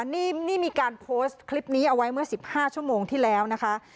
นี่มีการโพสต์คลิปนี้เอาไว้เมื่อ๑๕ชั่วโมงที่แล้วนะคะ